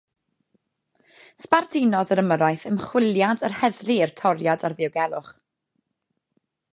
Sbardunodd yr ymyrraeth ymchwiliad yr heddlu i'r toriad ar ddiogelwch.